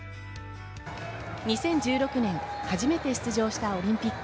２０１６年、初めて出場したオリンピック。